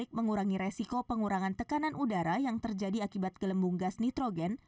untuk mengurangi resiko pengurangan tekanan udara yang terjadi akibat gelembung gas nitrogen